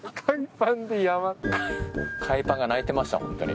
海パンが泣いてましたホントに。